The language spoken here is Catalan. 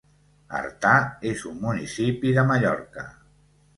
Artà és un municipi de Mallorca.